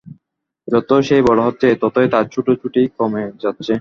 যতই সে বড় হচ্ছে, ততই তার ছোটাছুটি কমে যাচ্ছে।